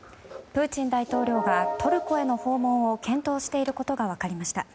プーチン大統領がトルコへの訪問を検討していることが分かりました。